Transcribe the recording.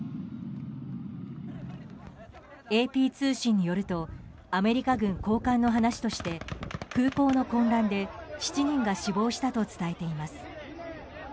ＡＰ通信によるとアメリカ軍高官の話として空港の混乱で７人が死亡したと伝えています。